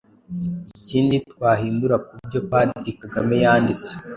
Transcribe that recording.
Ikindi twahindura ku byo Padri Kagame yanditse,